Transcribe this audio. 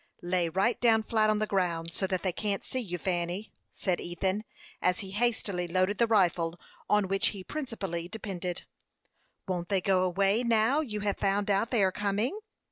"Lay right down flat on the ground, so thet they can't see you, Fanny," said Ethan, as he hastily loaded the rifle, on which he principally depended. "Won't they go away now you have found out they are coming?"